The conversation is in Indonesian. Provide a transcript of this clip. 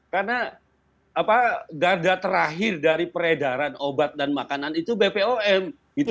karena dada terakhir dari peredaran obat dan makanan itu bpom